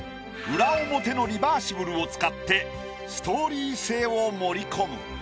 裏表のリバーシブルを使ってストーリー性を盛り込む。